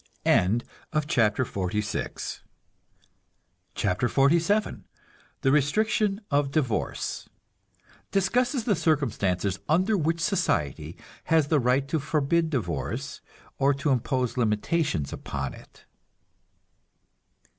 CHAPTER XLVII THE RESTRICTION OF DIVORCE (Discusses the circumstances under which society has the right to forbid divorce, or to impose limitations upon it.)